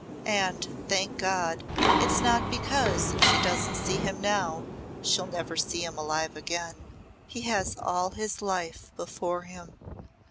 And, thank God, it's not because if she doesn't see him now she'll never see him alive again. He has all his life before him."